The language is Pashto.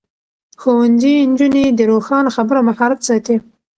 ښوونځی نجونې د روښانه خبرو مهارت ساتي.